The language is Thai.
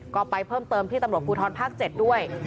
ก็ไปเพิ่มเติมที่ตำรวจภูทรภาค๗ด้วย